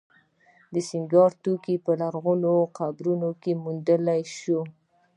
د سینګار توکي په لرغونو قبرونو کې موندل شوي